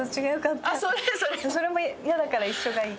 それも嫌だから一緒がいい。